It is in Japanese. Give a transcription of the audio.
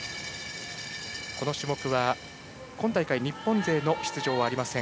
この種目は、今大会日本勢の出場はありません。